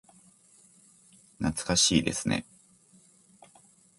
懐かしいですね。